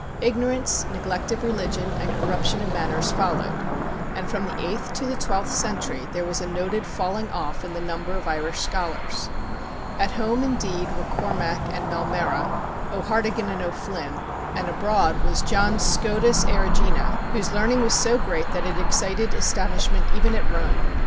Ignorance, neglect of religion, and corruption of manners followed, and from the eighth to the twelfth century there was a noted falling off in the number of Irish scholars. At home indeed were Cormac and Maelmurra, O'Hartigan and O'Flynn, and abroad was John Scotus Erigena, whose learning was so great that it excited astonishment even at Rome.